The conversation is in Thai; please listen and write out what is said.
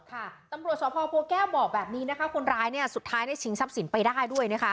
ตำรวจสพบัวแก้วบอกแบบนี้นะคะคนร้ายเนี่ยสุดท้ายได้ชิงทรัพย์สินไปได้ด้วยนะคะ